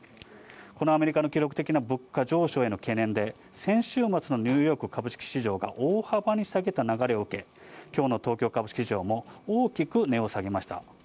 このアメリカの記録的な物価上昇への懸念で、先週末のニューヨーク株式市場が大幅に下げた流れを受け、きょうの東京株式市場も、大きく値を下げました。